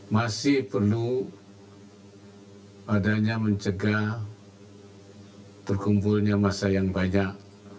masih perlu adanya mencegah perkumpulannya massa yang banyak